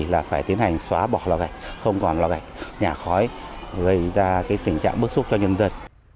là phải tiến hành xóa bỏ lò gạch không còn là gạch nhà khói gây ra tình trạng bức xúc cho nhân dân